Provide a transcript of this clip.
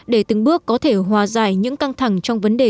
để từng bước có thể hòa giải những căng thẳng trong vấn đề